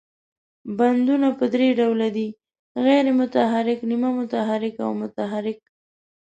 بندونه په درې ډوله دي، غیر متحرک، نیمه متحرک او متحرک.